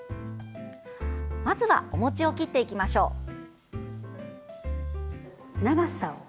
まずはお餅を切っていきましょう。